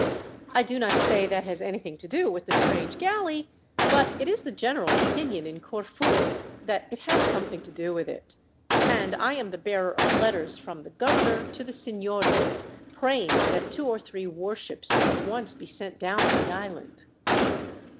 I do not say that has anything to do with the strange galley, but it is the general opinion in Corfu that it has something to do with it, and I am the bearer of letters from the governor to the seignory, praying that two or three war ships may at once be sent down to the island."